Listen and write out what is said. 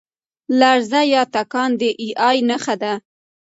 لرزه یا تکان د اې ای نښه ده.